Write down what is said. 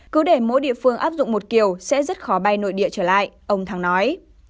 cứ để mỗi địa phương áp dụng một kiểu sẽ rất khó bay nội địa trở lại ông thắng nói